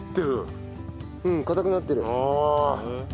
うん硬くなってる。